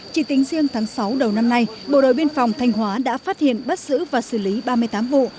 chỉ tính riêng tháng sáu đầu năm nay bộ đội biên phòng thanh hóa đã phát hiện bắt giữ và xử lý ba mươi tám vụ